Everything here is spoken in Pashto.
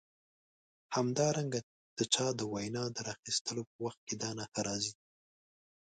همدارنګه د چا د وینا د راخیستلو په وخت کې دا نښه راځي.